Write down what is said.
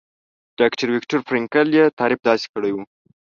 ډاکټر ويکټور فرېنکل يې تعريف داسې کړی وو.